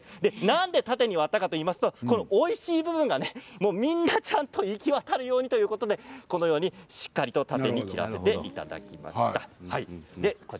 なんで縦に割ったかといいますとおいしい部分が、みんなちゃんと行き渡るようにということでこのようにしっかりと縦に切らせていただきました。